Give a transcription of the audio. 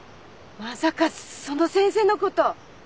まさかその先生のこと？